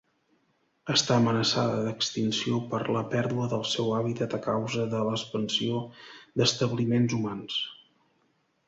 Està amenaçada d'extinció per la pèrdua del seu hàbitat a causa de l'expansió d'establiments humans.